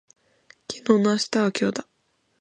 昨日の明日は今日だ